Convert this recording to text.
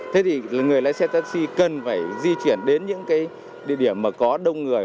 thế thì người lái xe taxi cần phải di chuyển đến những cái địa điểm mà có đông người